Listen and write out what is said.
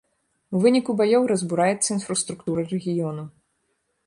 У выніку баёў разбураецца інфраструктура рэгіёну.